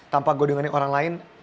tanpa gue dengerin orang lain